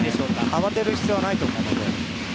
慌てる必要はないと思うので。